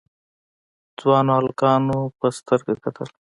ځوانو هلکانو په سترګه کتل.